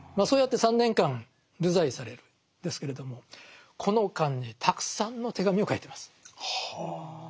そうやって３年間流罪されるんですけれどもこの間にたくさんの手紙を書いてます。